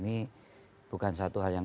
ini bukan satu hal yang